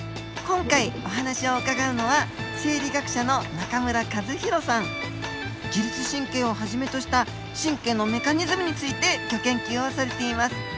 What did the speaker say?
今回お話を伺うのは自律神経をはじめとした神経のメカニズムについてギョ研究をされています。